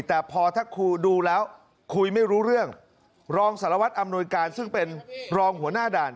แต่พอถ้าครูดูแล้วคุยไม่รู้เรื่องรองสารวัตรอำนวยการซึ่งเป็นรองหัวหน้าด่าน